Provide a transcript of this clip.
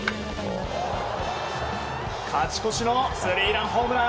勝ち越しのスリーランホームラン。